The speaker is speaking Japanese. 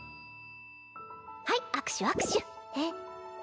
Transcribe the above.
はい握手握手えっ？